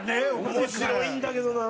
面白いんだけどな。